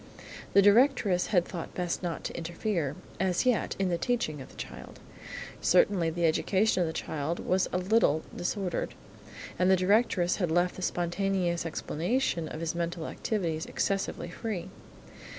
The directress had thought best not to interfere, as yet, in the teaching of the child. Certainly, the education of the child was a little disordered, and the directress had left the spontaneous explanation of his mental activities excessively free.